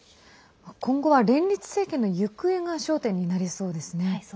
今後は連立政権の行方が焦点になりそうですね。